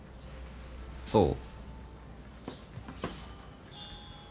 そう？